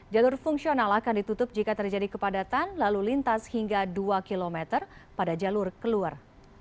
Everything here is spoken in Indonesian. jalur fungsional akan ditutup jika terjadi kepadatan lalu lintas hingga dua km pada jalur keluar